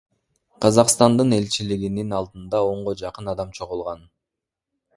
Казакстандын элчилигинин алдына онго жакын адам чогулган.